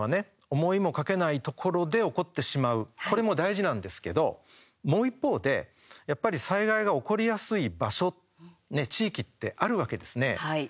思いもかけないところで起こってしまう、これも大事なんですけど、もう一方でやっぱり災害が起こりやすい場所地域ってあるわけですね。